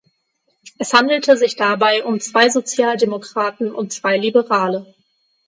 Es handelte sich dabei um zwei Sozialdemokraten und zwei Liberale.